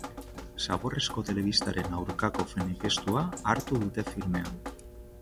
Zaborrezko telebistaren aurkako manifestua hartu dute filmea.